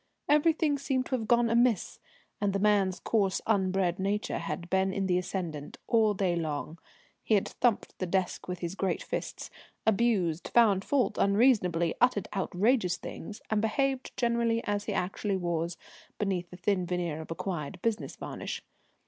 Everything seemed to have gone amiss, and the man's coarse, underbred nature had been in the ascendant all day long: he had thumped the desk with his great fists, abused, found fault unreasonably, uttered outrageous things, and behaved generally as he actually was beneath the thin veneer of acquired business varnish.